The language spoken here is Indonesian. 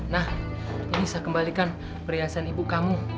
nah ini bisa kembalikan perhiasan ibu kamu